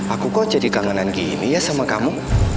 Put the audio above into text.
aku kok jadi kangenan gini ya sama kamu